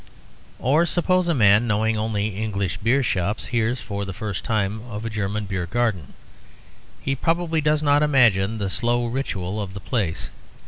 Or suppose a man knowing only English beer shops hears for the first time of a German beer garden, he probably does not imagine the slow ritual of the place.